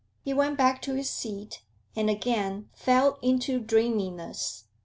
He went back to his seat, and again fell into dreaminess.